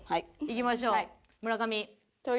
いきましょう村上。